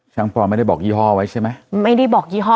ปอไม่ได้บอกยี่ห้อไว้ใช่ไหมไม่ได้บอกยี่ห้อ